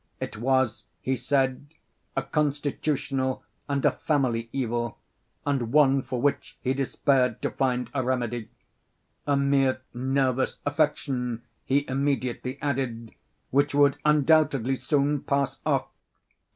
It was, he said, a constitutional and a family evil, and one for which he despaired to find a remedy—a mere nervous affection, he immediately added, which would undoubtedly soon pass off.